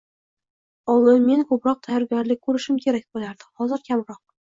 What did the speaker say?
— Oldin men koʻproq tayyorgarlik koʻrishim kerak boʻlardi, hozir kamroq.